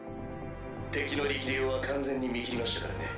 敵の力量は完全に見切りましたからね